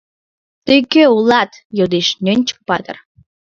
— Тый кӧ улат? — йодеш Нӧнчык-патыр.